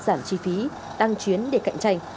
giảm chi phí tăng chuyến để cạnh tranh